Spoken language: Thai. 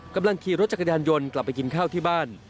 กำลังขี่รถจักรยานยนต์กลับไปกินข้าวที่บ้าน